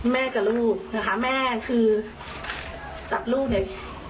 แม่กับลูกนะคะแม่คือจับลูกเนี่ย